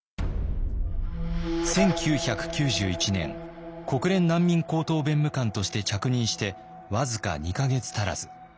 １９９１年国連難民高等弁務官として着任して僅か２か月足らず。